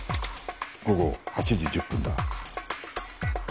午後８時１０分だ。